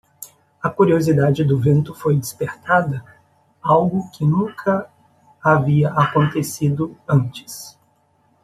A curiosidade do vento foi despertada? algo que nunca havia acontecido antes.